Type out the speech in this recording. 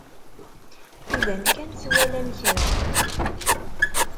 Iban kan twalam kra.